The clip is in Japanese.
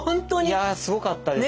いやすごかったですね。